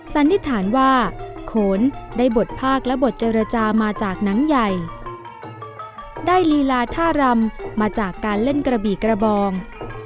สันนิษฐานว่าโขนได้บทภาคและบทเจรจามาจากหนังใหญ่ได้ลีลาท่ารำมาจากการเล่นกระบี่กระบอง